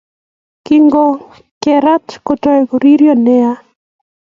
Kingogera kotai koririo nea